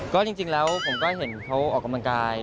ก็จริงแล้วผมก็เห็นเขาออกกำลังกาย